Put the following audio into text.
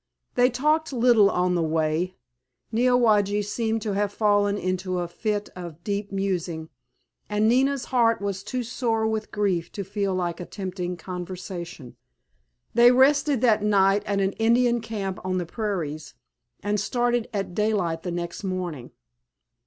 They talked little on the way. Neowage seemed to have fallen into a fit of deep musing, and Nina's heart was too sore with grief to feel like attempting conversation. They rested that night at an Indian camp on the prairies, and started at daylight the next morning.